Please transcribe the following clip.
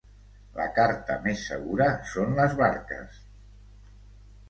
La carta més segura són les barques.